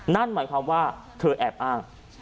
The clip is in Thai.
นั่นหมายความว่าเธอแอบอ้าง